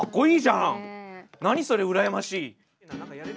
何それ羨ましい！